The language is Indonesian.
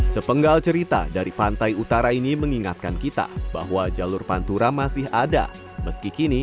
sepenggal cerita dari pantai utara ini mengingatkan kita bahwa jalur pantura masih ada meski kini